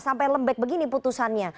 sampai lembek begini putusannya